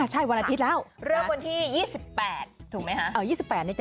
เริ่มวันที่๒๘ถูกมั้ยฮะ